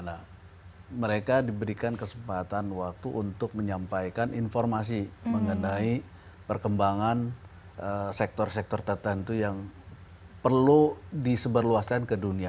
nah mereka diberikan kesempatan waktu untuk menyampaikan informasi mengenai perkembangan sektor sektor tertentu yang perlu diseberluaskan ke dunia